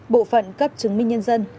bộ phận cấp chứng minh nhân dân